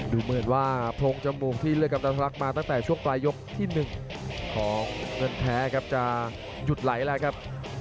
ดูเหมือนว่าโพรงจมูกที่เลือกกับตันรักมาตั้งแต่ช่วงปลายยกที่๑ของเงินแท้ครับจะหยุดไหลแล้วครับ